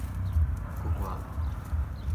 ココア